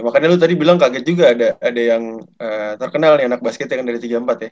makanya lu tadi bilang kaget juga ada yang terkenal nih anak basket yang dari tiga puluh empat ya